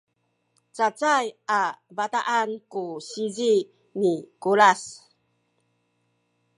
cacay a bataan ku sizi ni Kulas